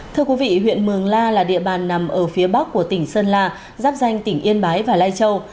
thưa quý vị huyện mường la là địa bàn nằm ở phía bắc của tỉnh sơn la giáp danh tỉnh yên bái và lai châu